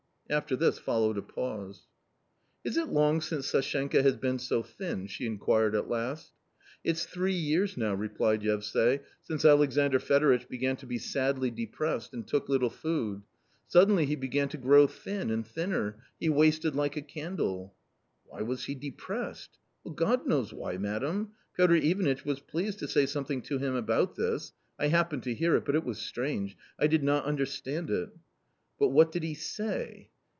After this followed a pause. "Is it long since Sashenka has bee n so thin ?" she inquired at last. •—» "It's three years now," replied Yevsay, "since Alexandr | Fedoritch began to be sadly depressed and took little food ; suddenly he began to grow thin and thinner, he wasted like a candle." " Why was he depressed ?"" God knows why, madam. Piotr Ivanitch was pleased to say something to him about this ; I happened to hear it, but it was strange ; I did not understand it." " But what did he say